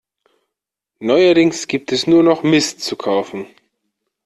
Neuerdings gibt es nur noch Mist zu kaufen.